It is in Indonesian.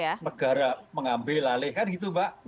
bisa sampai negara mengambil alih kan gitu mbak